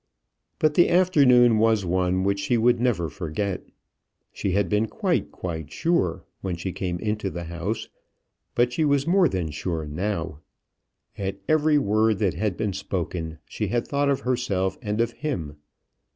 But the afternoon was one which she would never forget. She had been quite, quite sure, when she came into the house; but she was more than sure now. At every word that had been spoken she had thought of herself and of him.